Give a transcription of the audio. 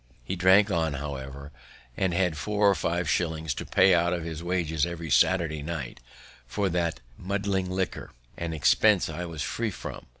He drank on, however, and had four or five shillings to pay out of his wages every Saturday night for that muddling liquor; an expense I was free from.